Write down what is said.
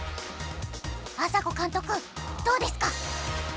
あさこ監督どうですか？